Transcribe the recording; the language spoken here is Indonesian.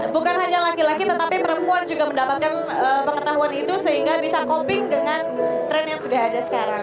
bukan hanya laki laki tetapi perempuan juga mendapatkan pengetahuan itu sehingga bisa coping dengan tren yang sudah ada sekarang